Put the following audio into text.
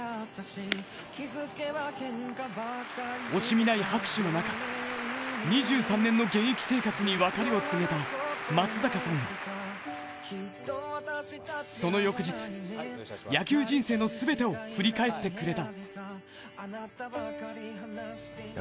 惜しみない拍手の中２３年の現役生活に別れを告げた松坂さんはその翌日、野球人生の全てを振り返ってくれた。